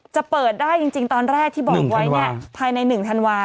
จะเปิดได้จริงจริงตอนแรกที่บอกไว้เนี้ยหนึ่งธันวาภายในหนึ่งธันวา